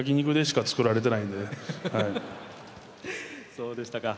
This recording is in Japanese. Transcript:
そうでしたか。